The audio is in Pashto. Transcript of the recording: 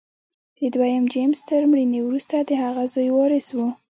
د دویم جېمز تر مړینې وروسته د هغه زوی وارث و.